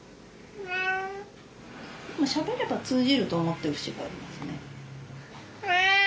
しゃべれば通じると思ってる節がありますね。